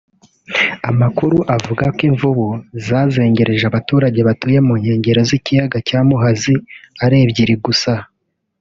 Amakuru avuga ko imvubu zazengereje abaturage batuye mu nkengero z’ikiyaga cya Muhazi ari ebyiri gusa